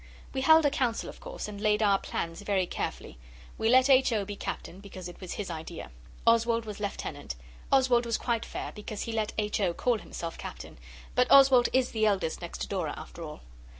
We held a Council, of course, and laid our plans very carefully. We let H. O. be Captain, because it was his idea. Oswald was Lieutenant. Oswald was quite fair, because he let H. O. call himself Captain; but Oswald is the eldest next to Dora, after all.